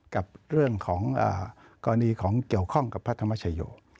กับเรื่องของกรณีของเกี่ยวข้องกับพระธรรมชโย